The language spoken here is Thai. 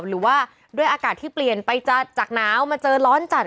หรือว่าด้วยอากาศที่เปลี่ยนไปจากหนาวมาเจอร้อนจัด